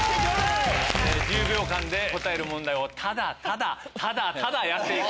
１０秒間で答える問題をただただただただやっていく。